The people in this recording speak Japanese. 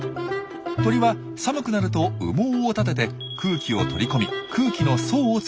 鳥は寒くなると羽毛を立てて空気を取り込み空気の層を作ります。